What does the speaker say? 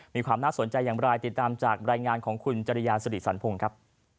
มีความน่าสนใจอย่างไรติดตามจากรายงานของคุณจริยาสริสันพงศ์ครับ